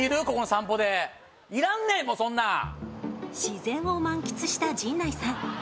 ここの散歩でいらんねんもうそんな自然を満喫した陣内さん